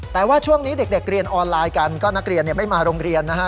แต่ว่าช่วงนี้เด็กเรียนออนไลน์กันก็นักเรียนไม่มาโรงเรียนนะฮะ